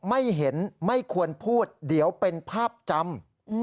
ไม่เห็นไม่ควรพูดเดี๋ยวเป็นภาพจำ